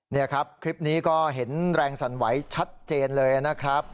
นี่ครับคลิปนี้ก็เห็นแรงสั่นไหวชัดเจนเลยนะครับ